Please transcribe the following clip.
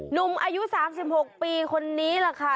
หนุ่มอายุ๓๖ปีคนนี้แหละค่ะ